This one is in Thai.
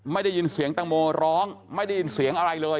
ไม่ได้ยินเสียงตังโมร้องไม่ได้ยินเสียงอะไรเลย